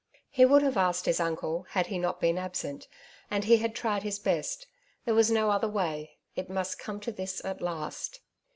He would have asked his uncle had he not been absent, and he had tried his best ; there was no other way, it must come to this at last.